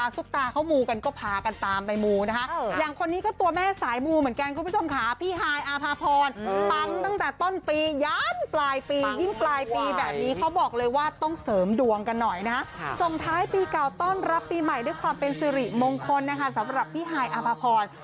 ส่งท้ายปีเก่าต้อนรับปีใหม่ด้วยความเป็นสิริมงคลสำหรับพี่หายอาภาพร